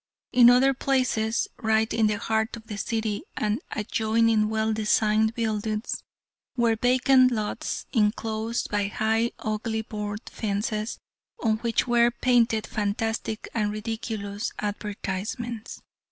In other places, right in the heart of the city, and adjoining well designed buildings, were vacant lots inclosed by high ugly board fences, on which were painted fantastic and ridiculous advertisements.